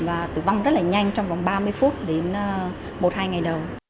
và tử vong rất là nhanh trong vòng ba mươi phút đến một hai ngày đầu